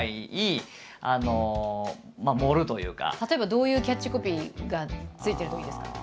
例えばどういうキャッチコピーがついてるといいですかね。